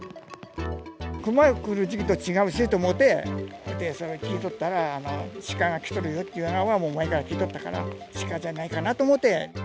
クマ来る時期と違うしと思って、さんにきいとったら、シカが来とるというようなのは前から聞いとったから、シカじゃないかなと思って。